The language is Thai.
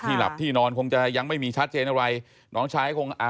หลับที่นอนคงจะยังไม่มีชัดเจนอะไรน้องชายคงอ่า